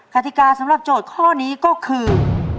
กติกาสำหรับโจทย์ข้อนี้ก็คือ